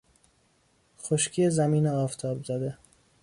خشکی زمین آفتاب زده